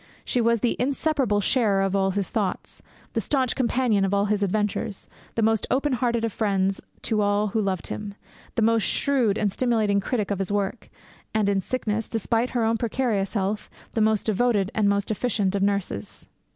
She was the inseparable sharer of all his thoughts; the staunch companion of all his adventures; the most open hearted of friends to all who loved him; the most shrewd and stimulating critic of his work; and in sickness, despite her own precarious health, the most devoted and most efficient of nurses.'